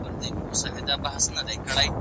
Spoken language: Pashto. تا چي ول احمد به بالا ملامت سي باره هغه رښتیا وویل